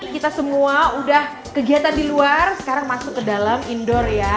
kita semua udah kegiatan di luar sekarang masuk ke dalam indoor ya